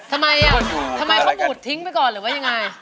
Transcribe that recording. ทำไมเขาบุดทิ้งไปก่อนหรือว่ายังไง